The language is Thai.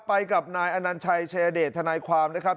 ไปกับนายอนัญชัยชายเดชทนายความนะครับ